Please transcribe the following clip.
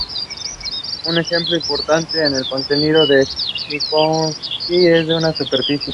Un ejemplo importante es el contenido de Minkowski de una superficie.